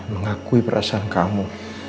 mengakui perasaan kamu